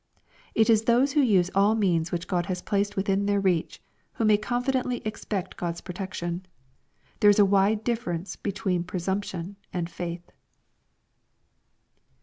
It is those who use all means which God has placed within /iheir reach, who may confidently expect God^s protection. There is a wide difference between presumption and faith.